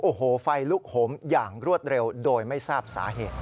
โอ้โหไฟลุกโหมอย่างรวดเร็วโดยไม่ทราบสาเหตุ